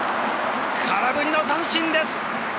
空振りの三振です。